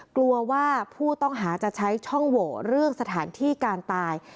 กลัวว่าผู้ต้องหาจะใช้ช่องโหวเรื่องสถานที่การตาย